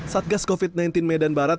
satgas covid sembilan belas medan barat